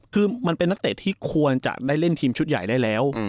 คือมันเป็นนักเตะที่ควรจะได้เล่นทีมชุดใหญ่ได้แล้ว